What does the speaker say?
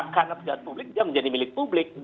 karena pejabat publik dia menjadi milik publik